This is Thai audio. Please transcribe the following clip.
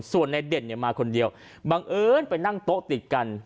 ส่วนในเด่นมาคนเดียวบังเอิญไปนั่งโต๊ะติดกัน